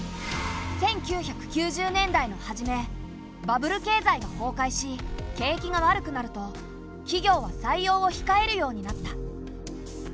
バブル経済が崩壊し景気が悪くなると企業は採用を控えるようになった。